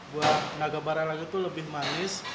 buah naga barelang itu lebih manis